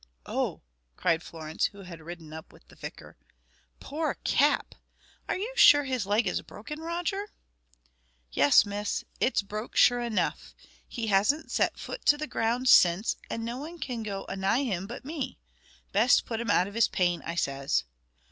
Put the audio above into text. "Oh!" cried Florence, who had ridden up with the vicar. "Poor Cap! Are you sure his leg is broken, Roger?" "Yes, Miss, it's broke sure enough. He hasn't set foot to the ground since, and no one can't go anigh him but me. Best put him out of his pain, I says."